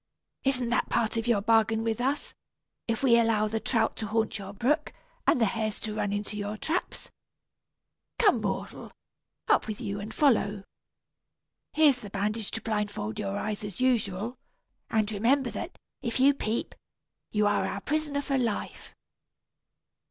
"Isn't that part of your bargain with us, if we allow the trout to haunt your brook, and the hares to run into your traps? Come, mortal! Up with you and follow. Here's the bandage to blindfold your eyes, as usual; and remember that, if you peep, you are our prisoner for life."